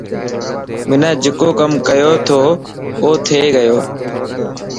منا جڪو ڪم ڪيو ٿو او ٿي گيو.